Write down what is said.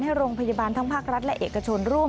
โรงพยาบาลทั้งภาครัฐและเอกชนร่วม